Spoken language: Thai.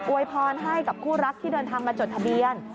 วยพรให้กับคู่รักที่เดินทางมาจดทะเบียน